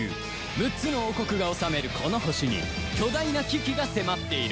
６つの王国が治めるこの星に巨大な危機が迫っている